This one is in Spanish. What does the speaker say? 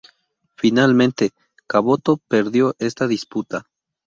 Finalmente, Caboto perdió esta disputa.